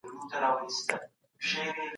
ميرويس خان نيکه ځان ته د پاچا پر ځای څه ویل؟